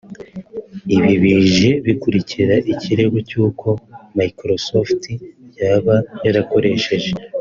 Ibi bije bikurikira ikirego cy’uko Microsoft yaba yarakoresheje